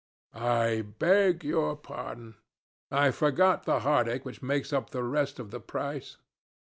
"I beg your pardon. I forgot the heartache which makes up the rest of the price.